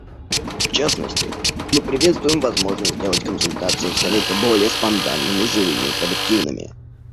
В частности, мы приветствуем возможность сделать консультации в Совете более спонтанными, живыми и продуктивными.